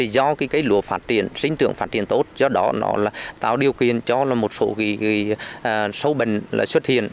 do cây lúa phát triển sinh trưởng phát triển tốt do đó nó tạo điều kiện cho một số sâu bệnh lại xuất hiện